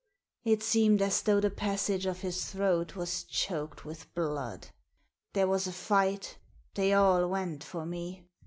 It seemed as though the passage of his throat was choked with blood. There was a fight They all went for me.